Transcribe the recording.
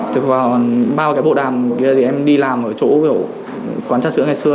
từ vào bao cái bộ đàm kia thì em đi làm ở chỗ kiểu quán chất sữa ngày xưa